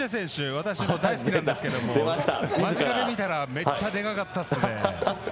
私も大好きなんですけど間近で見たらめっちゃでかかったっすね。